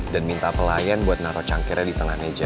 dan minta pelayan buat naro cangkirnya di tengahnya aja